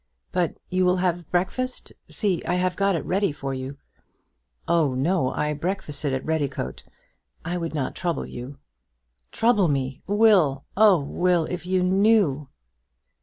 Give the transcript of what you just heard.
But you will have breakfast; see, I have got it ready for you." "Oh no; I breakfasted at Redicote. I would not trouble you." "Trouble me, Will! Oh, Will, if you knew!"